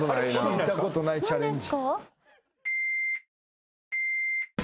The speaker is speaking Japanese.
聞いたことないチャレンジ。